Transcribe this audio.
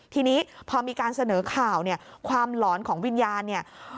ทีนี้พอมีการเสนอข่าวความหลอนของวิญญาณ